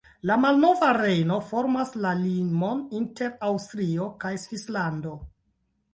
La Malnova Rejno formas la limon inter Aŭstrio kaj Svislando.